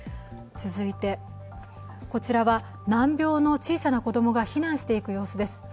続いて、こちらは難病の小さな子供が避難していく様子です。